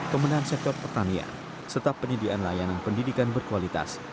pemenang sektor pertanian setap penyediaan layanan pendidikan berkualitas